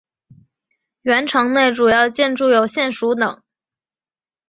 原城内主要建筑有县署等。